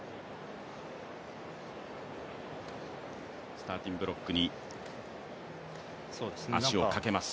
スターティング・ブロックに足をかけます。